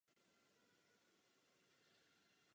Spolupracoval s řadou významných matematiků z mnoha zemí.